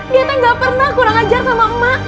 dia emang gak pernah kurang ajar sama emak